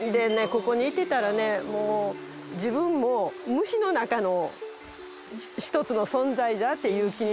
ここにいてたらねもう自分も虫の中の一つの存在だなっていう気になってきてね。